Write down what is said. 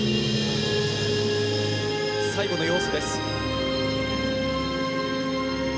最後の要素です。